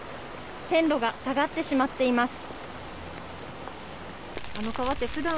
線路が下がってしまっています。